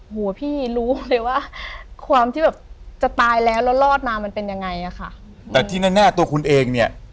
หัวพี่รู้เลยว่าความที่แบบจะตายแล้วแล้วรอดมามันเป็นยังไงอ่ะค่ะแต่ที่แน่แน่ตัวคุณเองเนี่ย